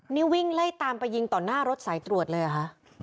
นี่วิ่งไล่ตามไปยิงต่อหน้ารถสายตรวจเลยเหรอคะ